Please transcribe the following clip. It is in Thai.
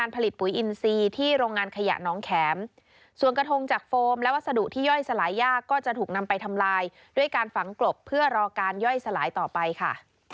เพื่อรอการย่อยสลายต่อไปค่ะ